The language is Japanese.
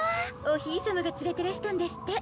おひいさまが連れてらしたんですって。